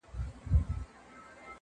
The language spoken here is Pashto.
یاجوج ماجوج دي ښه په خبر یې٫